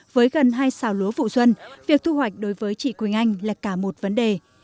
với gần hai xào lúa vụ xuân việc thu hoạch đối với chị quỳnh anh là cả một vấn đề